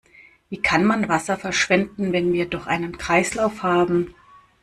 Wie kann man Wasser verschwenden, wenn wir doch einen Kreislauf haben?